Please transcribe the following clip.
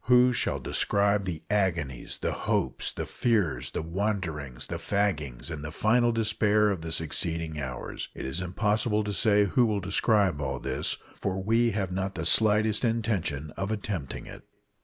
Who shall describe the agonies, the hopes, the fears, the wanderings, the faggings, and the final despair of the succeeding hours? It is impossible to say who will describe all this, for we have not the slightest intention of attempting it.